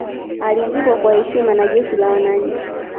alizikwa kwa heshima na jeshi la wananchi